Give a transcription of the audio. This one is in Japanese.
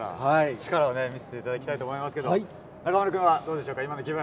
力を見せていただきたいと思いますけれども、中村君は、どうでしょうか、今の気分。